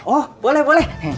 oh boleh boleh